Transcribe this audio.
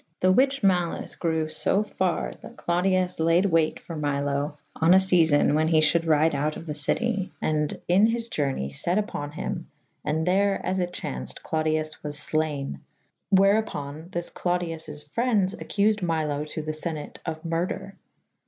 The^ which malice grew fo f erre that Clodius layed wayte for Mylo on a fealbn when he fhulde ryde out of the cyte / and in his iournay set vpon him and there as it chanfyd* Clodius was f layne / where vpon thys Clodius frendes accufed Milo to the Senate of murdre.